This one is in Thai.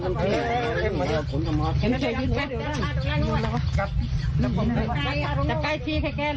กินอิ่มแล้วก็เอาไปดูเขา